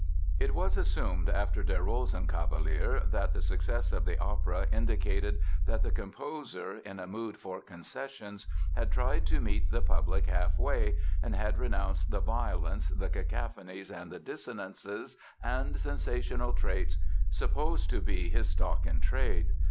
It was assumed after Der Rosenkavalier that the success of the opera indicated that the composer, in a mood for concessions, had tried to meet the public half way and had renounced the violence, the cacophonies and the dissonances and sensational traits supposed to be his stock in trade.